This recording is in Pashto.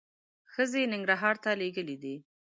ښځې ننګرهار ته لېږلي دي.